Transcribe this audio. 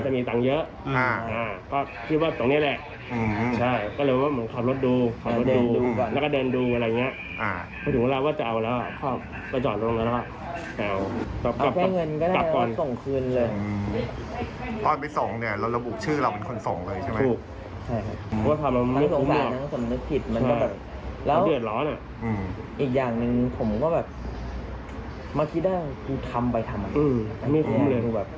มาคิดว่ากูทำไปทำไม่คุ้มเลย